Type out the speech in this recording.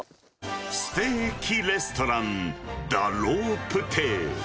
ステーキレストラン、ダ・ロープ亭。